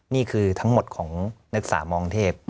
นี่คือทั้งหมดของนักศึกษามองเทพ